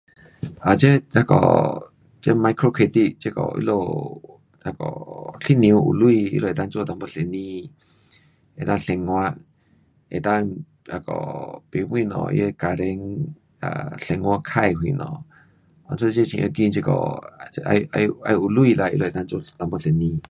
um 这那个这 micro credit 这个他们那个妇女有钱她们能够做一点生意，能够生活，能够那个买东西给她的家庭 um 生活开什么。所以这很要紧这个这要要要有钱啦她们能够做一点生意。